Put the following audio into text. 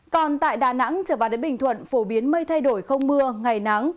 còn tại đà nẵng trở vào đến bình thuận phổ biến mây thay đổi không mưa ngày nắng